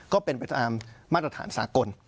ก็เป็นไปตามมาตรฐานสากล